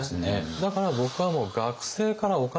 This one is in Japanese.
だから僕はもう学生からお金取るなと。